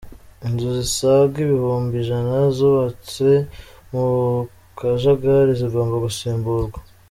Inzu zisaga ibihumbi ijana zubatse mu kajagari zigomba gusimburwa